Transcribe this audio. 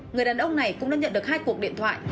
người đàn ông này cũng đã nhận được hai cuộc điện thoại